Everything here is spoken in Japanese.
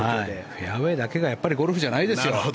フェアウェーだけがゴルフじゃないですよ。